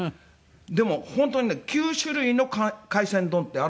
でも本当にね９種類の海鮮丼ってあるんですよ。